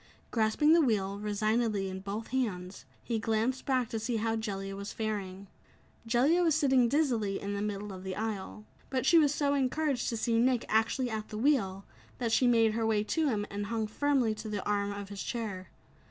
Grasping the wheel resignedly in both hands, he glanced back to see how Jellia was faring. Jellia was sitting dizzily in the middle of the aisle. But she was so encouraged to see Nick actually at the wheel, that she made her way to him and hung firmly to the arm of his chair.